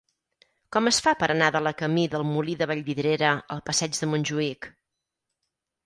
Com es fa per anar de la camí del Molí de Vallvidrera al passeig de Montjuïc?